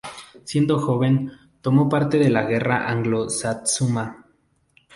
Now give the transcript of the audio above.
Siendo joven, tomó parte de la guerra Anglo-Satsuma.